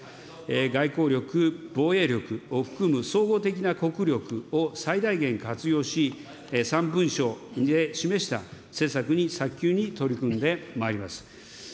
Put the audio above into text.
外交力、防衛力を含む総合的な国力を最大限活用し、３文書で示した施策に早急に取り組んでまいります。